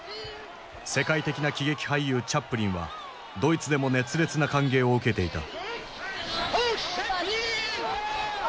世界的な喜劇俳優チャップリンはドイツでも熱烈な歓迎を受けていた。